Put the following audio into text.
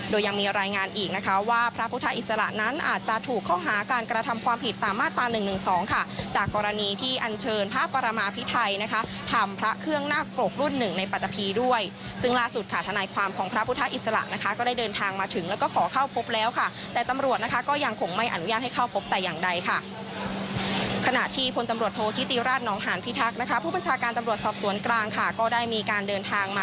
โดยยังมีรายงานอีกนะคะว่าพระพุทธอิสระนั้นอาจจะถูกเข้าหาการกระทำความผิดตามมาตร๑๑๒ค่ะจากกรณีที่อันเชิญพระประมาพิไทยนะคะทำพระเครื่องหน้ากรบรุ่นหนึ่งในปัจจพีด้วยซึ่งล่าสุดค่ะธนายความของพระพุทธอิสระนะคะก็ได้เดินทางมาถึงแล้วก็ขอเข้าพบแล้วค่ะแต่ตำรวจนะคะก็ยังคงไม่อนุญาตให้เข้าพบแต่อย่าง